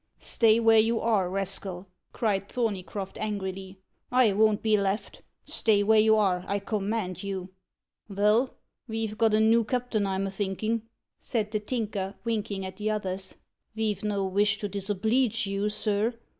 "Stay where you are, rascal!" cried Thorneycroft angrily. "I won't be left. Stay where you are, I command you!" "Vell, ve've got a noo captain, I'm a thinkin'," said the Tinker, winking at the others. "Ve've no vish to disobleege you, sir.